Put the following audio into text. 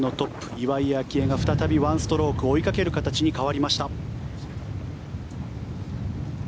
岩井明愛が再び１ストロークを追いかける形に変わりました。